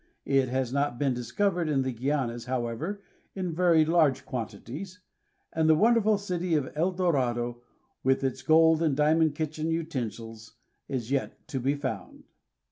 It has not been discovered in the Guianas, however, in very large quantities, and the wonderful city of El Dorado, with its gold and diamond kitchen utensils, is yet to be found.